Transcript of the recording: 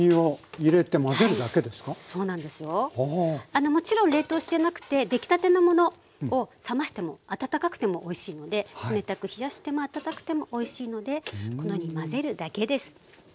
あのもちろん冷凍してなくてできたてのものを冷ましても温かくてもおいしいので冷たく冷やしても温かくてもおいしいのでこのように混ぜるだけです。